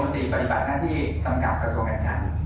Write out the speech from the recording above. ปฏิบัติหน้าที่กำกับกระทรวงแข่งขัน